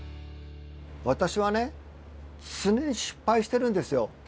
私はね常に失敗してるんですよ。